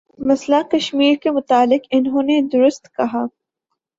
مسئلہ کشمیر کے متعلق انہوں نے درست کہا